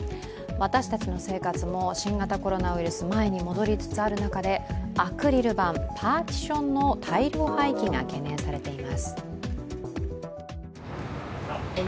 私たちの生活も新型コロナウイルス前に戻りつつある中でアクリル板＝パーティションの大量廃棄が懸念されています。